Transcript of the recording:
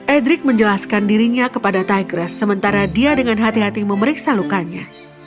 edric menjelaskan dirinya kepada tigress sementara dia dengan hati hati memeriksa lukanya